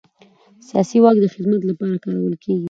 سیاسي واک د خدمت لپاره کارول کېږي